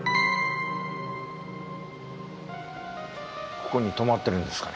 ここに泊まってるんですかね？